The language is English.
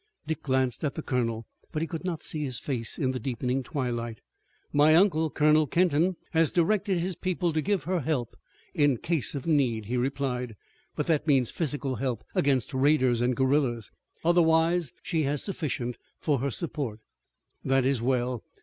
Dick glanced at the colonel, but he could not see his face in the deepening twilight. "My uncle, Colonel Kenton, has directed his people to give her help in case of need," he replied, "but that means physical help against raiders and guerillas. Otherwise she has sufficient for her support." "That is well.